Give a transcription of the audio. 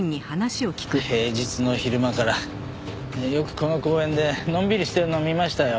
平日の昼間からよくこの公園でのんびりしてるのを見ましたよ。